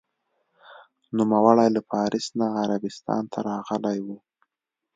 نوموړی له پارس نه عربستان ته راغلی و.